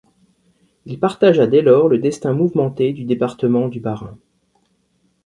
Il partagea dès lors le destin mouvementé du département du Bas-Rhin.